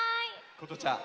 ことちゃん。